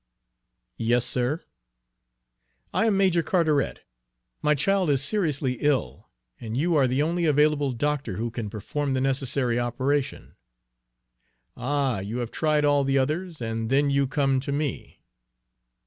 "Yes, sir." "I am Major Carteret. My child is seriously ill, and you are the only available doctor who can perform the necessary operation." "Ah! You have tried all the others, and then you come to me!"